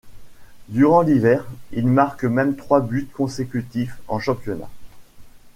Durant l'hiver, il marque même trois buts consécutifs en championnat.